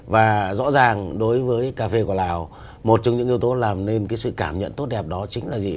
và rõ ràng đối với cà phê của lào một trong những yếu tố làm nên cái sự cảm nhận tốt đẹp đó chính là gì